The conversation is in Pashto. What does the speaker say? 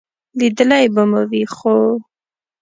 لیدلی به مې وي، خو ...